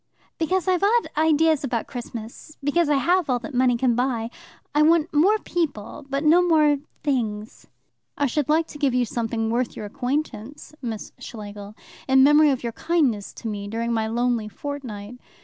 "Because I've odd ideas about Christmas. Because I have all that money can buy. I want more people, but no more things." "I should like to give you something worth your acquaintance, Miss Schlegel, in memory of your kindness to me during my lonely fortnight.